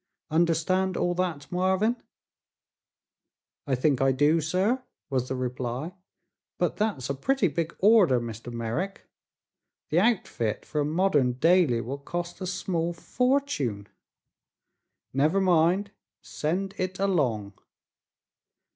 Understand all that, Marvin?" "I think I do, sir," was the reply; "but that's a pretty big order, Mr. Merrick. The outfit for a modern daily will cost a small fortune." "Never mind; send it along."